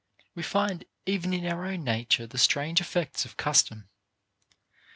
We find even in our own nature the strange effects of custom.